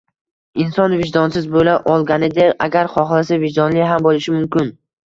Inson vijdonsiz bo'la olganideq agar xohlasa vijdonli ham bo'lishi mumkin.